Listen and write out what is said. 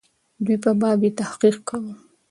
دوی په باب یې تحقیق کاوه.